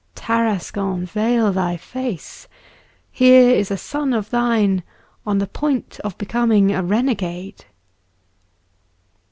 Tarascon, veil thy face! here is a son of thine on the point of becoming a renegade!